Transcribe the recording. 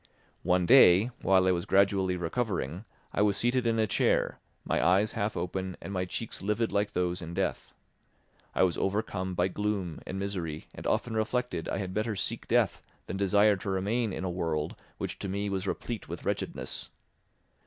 One day, while I was gradually recovering, I was seated in a chair, my eyes half open and my cheeks livid like those in death. I was overcome by gloom and misery and often reflected I had better seek death than desire to remain in a world which to me was replete with wretchedness.